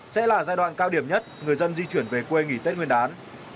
sẽ là giai đoạn cao điểm nhất người dân di chuyển về quê nghỉ tết nguyên đán